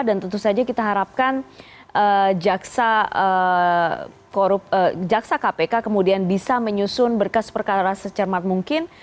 dan tentu saja kita harapkan jaksa kpk kemudian bisa menyusun berkas perkara secermat mungkin